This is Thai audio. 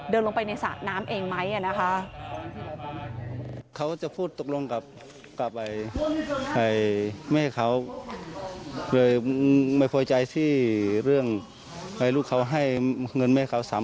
เดินลงไปในสระน้ำเองไหมนะคะ